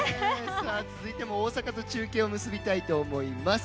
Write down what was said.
続いても沖縄と中継を結びたいと思います。